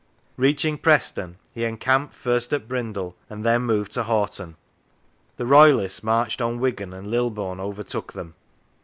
Reaching Preston, he encamped first at Brindle and then moved to Hoghton. The Royalists marched on Wigan, and Lilburne overtook them.